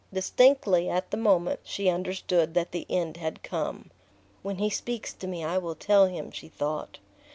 Distinctly, at the moment, she understood that the end had come. "When he speaks to me I will tell him!" she thought...